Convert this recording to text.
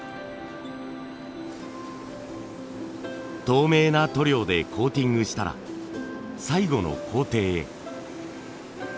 透明な塗料でコーティングしたら最後の工程へ。